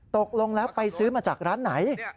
ตกลงแล้วไปซื้อมาจากร้านไหน